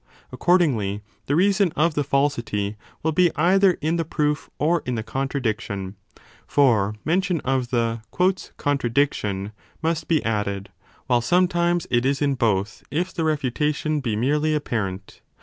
Accord ingly, the reason of the falsity will be either in the proof or in the contradiction (for mention of the contradiction must be added), while sometimes it is in both, if the refuta tion be merely apparent.